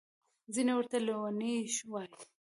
ځینې ورته لوني وايي.